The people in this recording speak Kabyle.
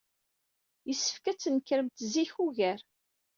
Yessefk ad d-tnekremt zik ugar.